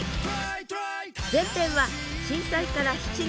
前編は震災から７年。